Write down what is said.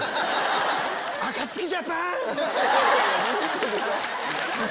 ２０分でしょ！